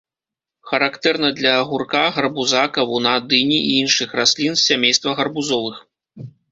Характэрна для агурка, гарбуза, кавуна, дыні і іншых раслін з сямейства гарбузовых.